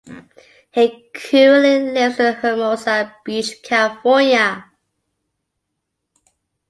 He currently lives in Hermosa Beach, California.